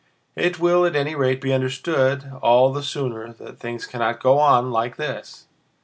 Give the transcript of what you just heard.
It will at any rate be understood all the sooner that things cannot go on like this.